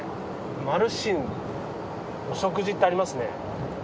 まるしんお食事ってありますね。